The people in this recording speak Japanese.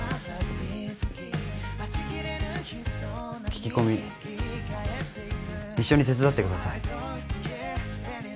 聞き込み一緒に手伝ってください。